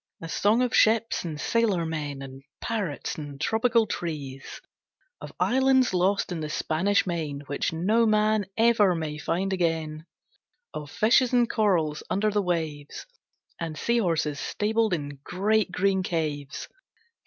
A song of ships, and sailor men, And parrots, and tropical trees, Of islands lost in the Spanish Main Which no man ever may find again, Of fishes and corals under the waves, And seahorses stabled in great green caves.